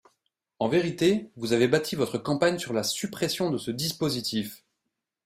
En vérité, vous avez bâti votre campagne sur la suppression de ce dispositif.